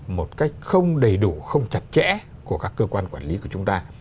một cách không đầy đủ không chặt chẽ của các cơ quan quản lý của chúng ta